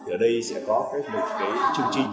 ở đây sẽ có một cái chương trình